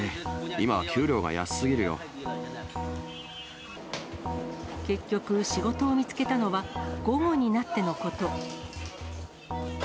今は給料が安すぎ結局、仕事を見つけたのは午後になってのこと。